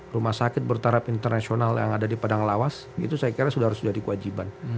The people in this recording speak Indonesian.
rumah sakit bertaraf internasional yang ada di padang lawas itu saya kira sudah harus jadi kewajiban